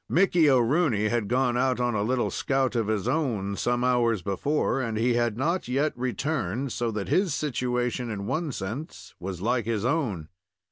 Mickey O'Rooney had gone out on a little scout of his own, some hours before, and he had not yet returned, so that his situation, in one sense, was like his own.